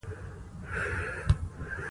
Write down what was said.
اوښ د افغانستان د جغرافیې بېلګه ده.